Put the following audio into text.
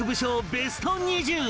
ベスト２０